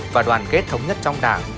và đoàn kết thống nhất trong đảng